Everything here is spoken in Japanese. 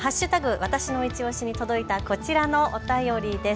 わたしのいちオシに届いたこちらのお便りです。